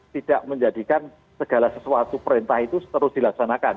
tidak menjadikan segala sesuatu perintah itu terus dilaksanakan